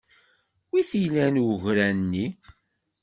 Wi t-ilan ugra-nni?